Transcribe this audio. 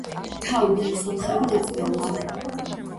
თავიდან სომხები დაწინაურდნენ.